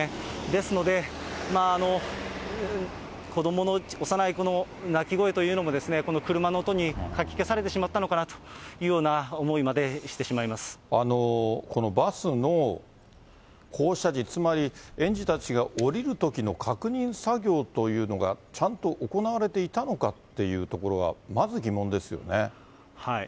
ですので、子どもの、幼い子の泣き声というのも、車の音にかき消されてしまったのかなというような思いまでしてしバスの降車時、つまり園児たちが降りるときの確認作業というのが、ちゃんと行われていたのかっていうところが、まず疑問ですよね。